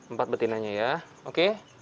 empat betinanya ya oke